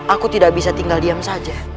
aku tidak bisa tinggal diam saja